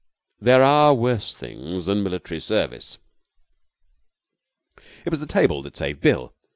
There are worse things than military service! It was the table that saved Bill.